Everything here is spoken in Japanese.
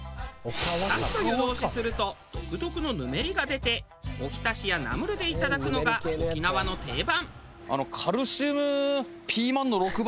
サッと湯通しすると独特のぬめりが出ておひたしやナムルでいただくのが沖縄の定番。